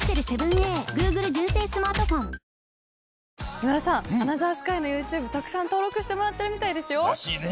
今田さん『アナザースカイ』のＹｏｕＴｕｂｅたくさん登録してもらってるみたいですよ。らしいね。